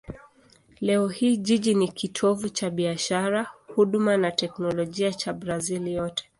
Leo hii jiji ni kitovu cha biashara, huduma na teknolojia cha Brazil yote.